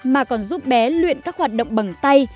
mà còn giúp bé luyện các hoạt động bằng tay